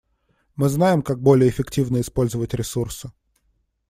Мы знаем, как более эффективно использовать ресурсы.